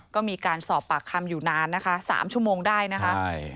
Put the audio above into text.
ก็มีการสอบปากคำอยู่นานนะคะ๓ชั่วโมงได้นะคะ